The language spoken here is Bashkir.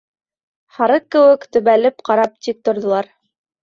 Һарыҡ кеүек, төбәлеп ҡарап тик торҙолар.